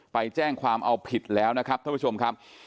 ไปแจ้งความเอาผิดแล้วนะครับท่านผู้ชมครับ